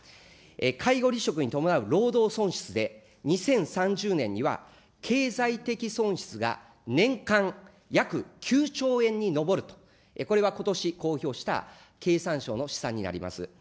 介護離職に伴う労働損失で、２０３０年には経済的損失が年間約９兆円に上ると、これはことし公表した経産省の試算になります。